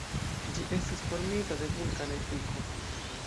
Ĝi estis formita de vulkana efiko.